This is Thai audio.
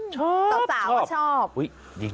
ชอบชอบชอบ